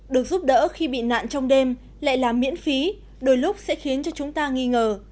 được giúp đỡ khi bị nạn trong đêm lại làm miễn phí đôi lúc sẽ khiến cho chúng ta nghi ngờ